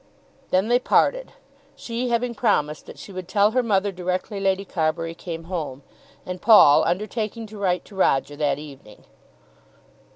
Then they parted, she having promised that she would tell her mother directly Lady Carbury came home, and Paul undertaking to write to Roger that evening.